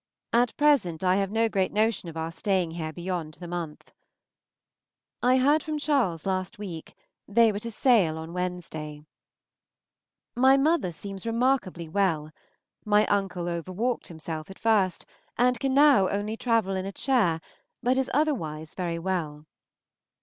At present I have no great notion of our staying here beyond the month. I heard from Charles last week; they were to sail on Wednesday. My mother seems remarkably well. My uncle overwalked himself at first, and can now only travel in a chair, but is otherwise very well.